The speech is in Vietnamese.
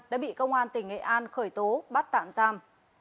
đã bị công an tỉnh nghệ an khởi tố bắt tạm giam